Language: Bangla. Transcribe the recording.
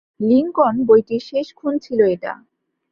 লিংকন, বইটির শেষ খুন ছিল এটা।